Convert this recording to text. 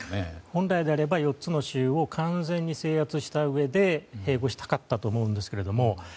本来であれば４つの州を完全に制圧したうえで併合したかったと思うんですけれども。